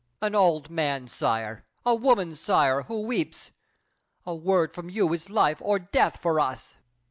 An old man, sire; a woman, sire, who weeps! A word from you is life or death for us!